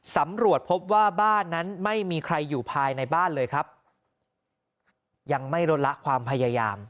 สำรวจพบว่าบ้านนั้นไม่มีใครอยู่ภายในบ้านเลยครับยังไม่ลดละความพยายาม